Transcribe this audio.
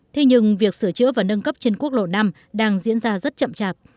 thế nhưng việc sửa chữa và nâng cấp trên quốc lộ năm đang diễn ra rất chậm chạp